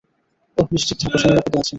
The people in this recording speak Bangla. ওহ নিশ্চিন্ত থাক, সে নিরাপদে আছে।